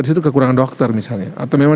disitu kekurangan dokter misalnya atau memang